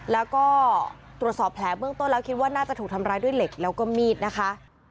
แล้วก็ตรวจสอบแผลเบื้องต้นแล้วคิดว่าน่าจะถูกทำร้ายด้วยเหล็กแล้วก็มีดนะคะ